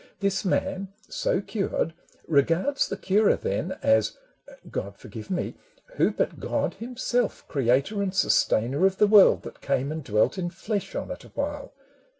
This man so cured regards the curer, then, As — God forgive me ! who but God himself, Creator and sustainer of the world, That came and dwelt in flesh on it awhile